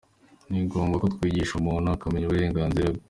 Ni ngombwa ko twigishwa, umuntu akamenya uburenganzira bwe”.